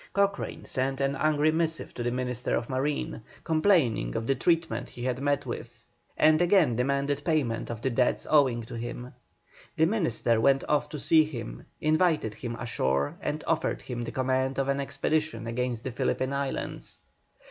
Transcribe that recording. Cochrane sent an angry missive to the Minister of Marine, complaining of the treatment he had met with, and again demanded payment of the debts owing to him. The Minister went off to see him, invited him ashore and offered him the command of an expedition against the Philippine Islands.